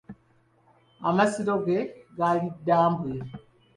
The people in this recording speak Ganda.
Amasiro ge gali Ddambwe.